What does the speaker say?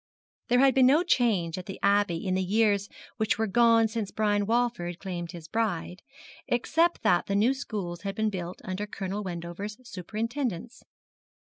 There had been no change at the Abbey in the years which were gone since Brian Walford claimed his bride, except that the new schools had been built under Colonel Wendover's superintendence.